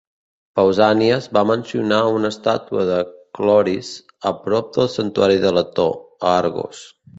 Pausànies va mencionar una estàtua de Chloris a prop del santuari de Leto, a Argos.